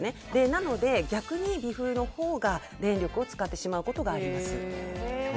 なので逆に微風のほうが電力を使ってしまうことがあります。